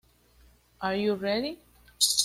Ayu ready?